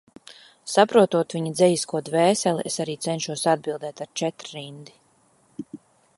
Saprotot viņa dzejisko dvēseli, es arī cenšos atbildēt ar četrrindi.